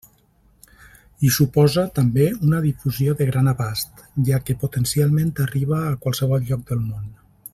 I suposa, també, una difusió de gran abast, ja que potencialment arriba a qualsevol lloc del món.